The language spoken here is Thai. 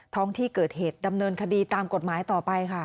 ท้องที่เกิดเหตุดำเนินคดีตามกฎหมายต่อไปค่ะ